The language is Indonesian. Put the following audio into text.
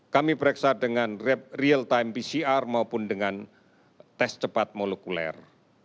kami pereksa dengan real time pcr maupun dengan tes cepat molekuler